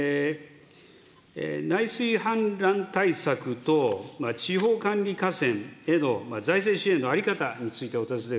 内水氾濫対策と地方管理河川への財政支援の在り方についてお尋ね